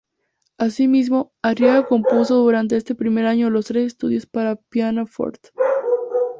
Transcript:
Asimismo, Arriaga compuso durante este primer año los "Tres Estudios para Pianoforte".